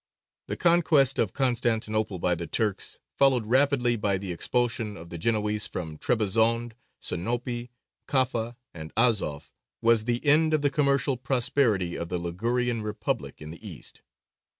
The conquest of Constantinople by the Turks, followed rapidly by the expulsion of the Genoese from Trebizond, Sinope, Kaffa, and Azov, was the end of the commercial prosperity of the Ligurian Republic in the East.